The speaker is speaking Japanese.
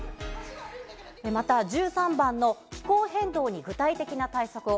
また、１３番の気候変動に具体的な対策を。